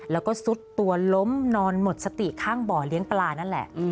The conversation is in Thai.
แล้วก็ซุดตัวล้มนอนหมดสติข้างบ่อเลี้ยงปลานั่นแหละ